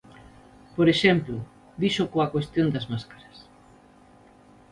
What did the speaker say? Por exemplo, dixo, coa cuestión das máscaras.